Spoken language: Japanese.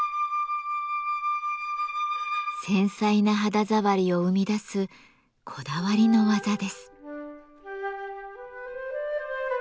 繊細な肌触りを生み出すこだわりの技です。